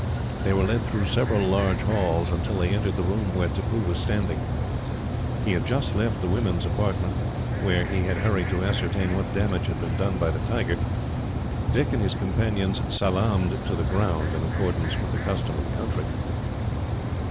They were led through several large halls, until they entered the room where Tippoo was standing. He had just left the women's apartment, where he had hurried to ascertain what damage had been done by the tiger. Dick and his companion salaamed to the ground, in accordance with the custom of the country.